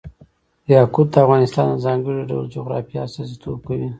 یاقوت د افغانستان د ځانګړي ډول جغرافیه استازیتوب کوي.